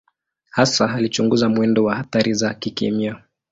Hasa alichunguza mwendo wa athari za kikemia.